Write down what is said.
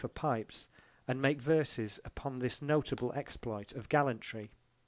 for pipes and make verses upon this notable exploit of gallantry.